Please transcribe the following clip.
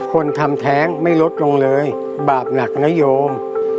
คนทำแท้งไม่ลดลงเลยบาปหนักนะโยม